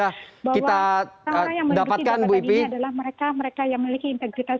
bahwa salah yang menduduki dapatannya adalah mereka yang memiliki integritas tinggi